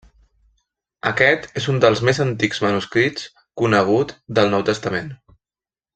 Aquest és un dels més antics manuscrits conegut del Nou Testament.